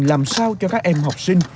làm sao cho các em học sinh